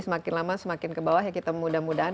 semakin lama semakin ke bawah ya kita mudah mudahan